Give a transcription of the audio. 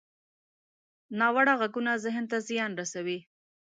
ناوړه غږونه ذهن ته زیان رسوي